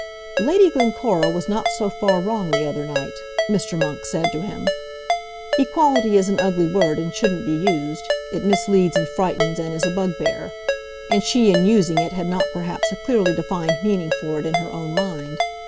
"Lady Glencora was not so far wrong the other night," Mr. Monk said to him. "Equality is an ugly word and shouldn't be used. It misleads, and frightens, and is a bugbear. And she, in using it, had not perhaps a clearly defined meaning for it in her own mind.